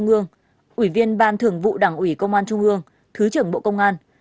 ủy viên ban thường vụ đảng ủy công an trung ương thứ trưởng bộ công an